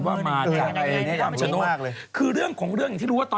ว่ามาจากคำชโน่